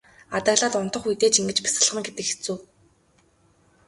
Адаглаад унтах үедээ ч ингэж бясалгана гэдэг хэцүү.